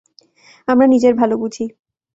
আমরা নিজের ভালো বুঝি।